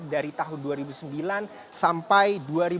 dari tahun dua ribu sembilan sampai dua ribu dua puluh